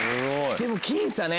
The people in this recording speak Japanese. でも僅差ね。